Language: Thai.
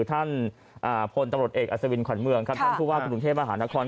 ท่านพลตรวจเอกอัศวินขวัญเมืองท่านคือว่ากรุงเทพอาหารนคร